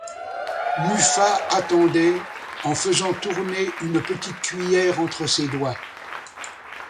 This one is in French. Muffat attendait, en faisant tourner une petite cuiller entre ses doigts.